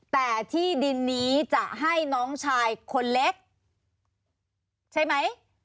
แต่ที่ดินนี้จะให้น้องชายคนเล็กใช่ไหม